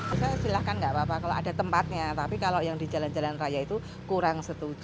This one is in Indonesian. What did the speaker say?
saya silahkan nggak apa apa kalau ada tempatnya tapi kalau yang di jalan jalan raya itu kurang setuju